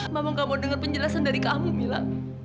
mama gak mau denger penjelasan dari kamu mila